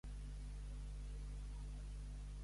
Pescar amb fitora.